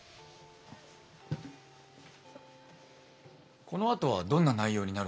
このあとはどんな内容になるんですか？